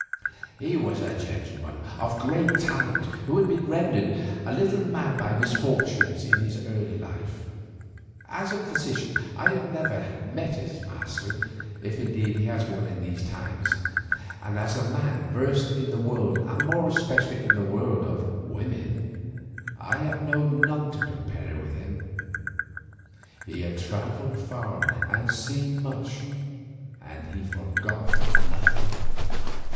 He was a gentleman of great talent who had been rendered a little mad by misfortunes in his early life. As a physician I have never met his master, if indeed he has one in these times, and as a man versed in the world and more especially in the world of women, I have known none to compare with him. He had travelled far, and seen much, and he forgot nothing.